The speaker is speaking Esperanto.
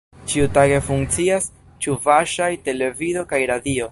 Ĉiutage funkcias ĉuvaŝaj televido kaj radio.